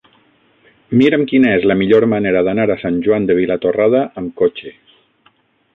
Mira'm quina és la millor manera d'anar a Sant Joan de Vilatorrada amb cotxe.